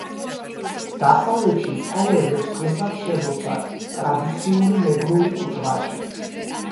დასავლეთში მცხოვრებლებს დღესაც შემორჩათ ტრადიციული მეგრული კუჭმაჭი.